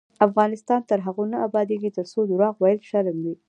افغانستان تر هغو نه ابادیږي، ترڅو درواغ ویل شرم وي.